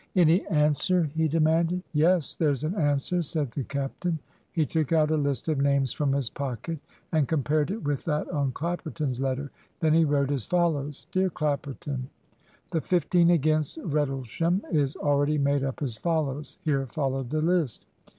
"Any answer?" he demanded. "Yes there's an answer," said the captain. He took out a list of names from his pocket, and compared it with that on Clapperton's letter. Then he wrote as follows: "Dear Clapperton, The fifteen against Rendlesham is already made up as follows," (here followed the list).